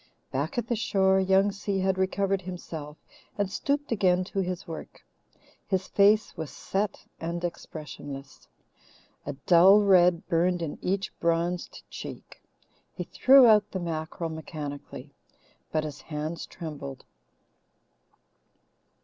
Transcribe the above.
Back at the shore Young Si had recovered himself and stooped again to his work. His face was set and expressionless. A dull red burned in each bronzed cheek. He threw out the mackerel mechanically, but his hands trembled.